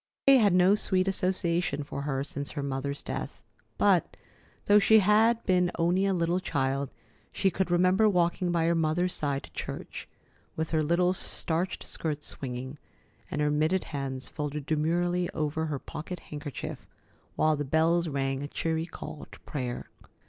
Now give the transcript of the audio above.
That day had no sweet association for her since her mother's death, but, though she had been only a little child, she could remember walking by her mother's side to church, with her little starched skirts swinging, and her mitted hands folded demurely over her pocket handkerchief, while the bells rang a cheery call to prayer.